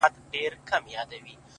ځوان ولاړ سو;